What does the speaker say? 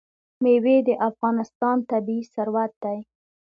مېوې د افغانستان طبعي ثروت دی.